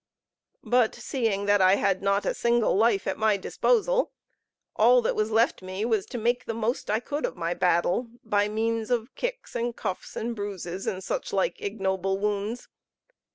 But seeing that I had not a single life at my disposal, all that was left me was to make the most I could of my battle, by means of kicks, and cuffs, and bruises, and such like ignoble wounds.